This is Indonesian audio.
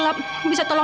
jangan bikin malu dong